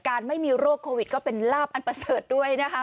การไม่มีโรคโควิดก็เป็นราบอัตเวอร์เสร็จด้วยนะคะ